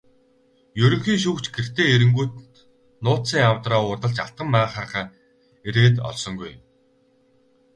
Ерөнхий шүүгч гэртээ ирэнгүүт нууцын авдраа уудалж алтан маахайгаа эрээд олсонгүй.